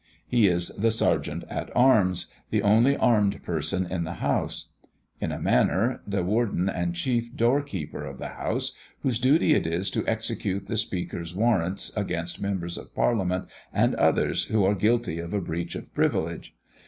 He is the Sergeant at Arms, the only armed person in the House; in a manner, the warden and chief door keeper of the House, whose duty it is to execute the Speaker's warrants against members of Parliament and others who are guilty of a breach of privilege.